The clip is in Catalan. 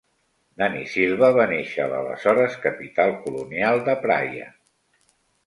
Dany Silva va néixer a l'aleshores capital colonial de Praia.